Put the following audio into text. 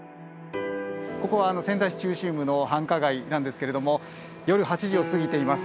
ここは仙台市中心部の繁華街なんですけれども夜８時を過ぎています。